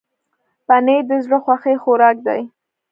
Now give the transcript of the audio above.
پنېر د زړه خوښي خوراک دی.